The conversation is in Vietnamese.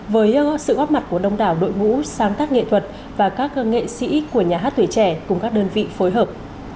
với sự góp mặt của đông đảo đội ngũ sáng tác nghệ thuật và các nghệ sĩ của nhà hát tuổi trẻ cùng các đơn vị phối hợp